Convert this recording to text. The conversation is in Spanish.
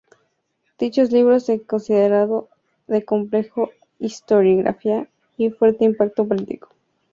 Dicho libro es considerado de compleja historiografía y fuerte impacto político.